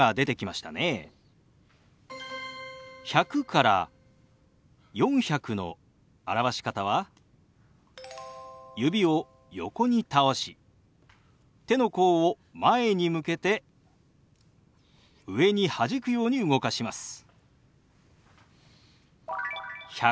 １００から４００の表し方は指を横に倒し手の甲を前に向けて上にはじくように動かします。